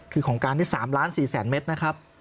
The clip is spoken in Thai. คือของการที่๓๔๐๐๐เมตรนะครับ